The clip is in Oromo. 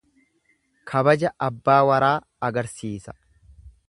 Kabaja abbaa waraa agarsiisa.